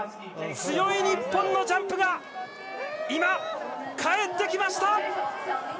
強い日本のジャンプが今、帰ってきました！